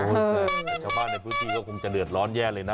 แต่ชาวบ้านในพื้นที่ก็คงจะเดือดร้อนแย่เลยนะ